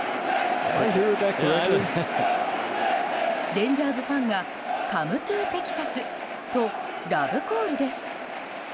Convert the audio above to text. レンジャーズファンが「カムトゥテキサス」とラブコールです。